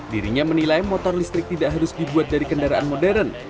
dirinya menilai motor listrik tidak harus dibuat dari kendaraan modern